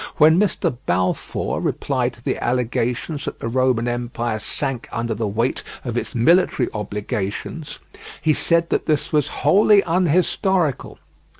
When Mr Balfour replied to the allegations that the Roman Empire sank under the weight of its military obligations, he said that this was 'wholly unhistorical.